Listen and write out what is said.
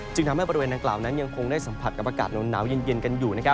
จึงทำให้บริเวณนั้นก็ยังคงได้สัมผัสกับอากาศนวันหนาวเย็นกันอยู่